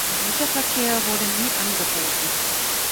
Güterverkehr wurde nie angeboten.